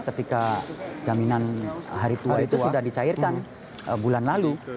ketika jaminan hari tua itu sudah dicairkan bulan lalu